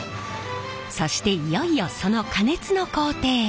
そしていよいよその加熱の工程へ。